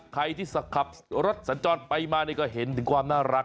ใครที่ขับรถสันจอดไปมาก็เห็นความน่ารัก